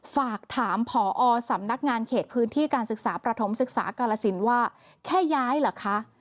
ฝากถามผอสำนักงานเขตพื้นที่การศึกษาประถมศึกษากาลสินว่าแค่ย้ายเหรอคะ